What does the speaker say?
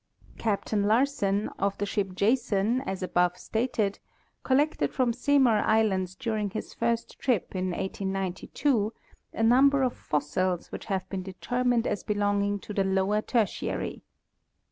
Captain Larsen, of the ship Jason, as above stated, collected from Seymour island during his first trip, in 1892, a number of fossils which have been determined as belonging to the lower tertiary.